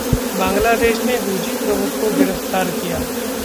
बांग्लादेश ने हूजी प्रमुख को गिरफ्तार किया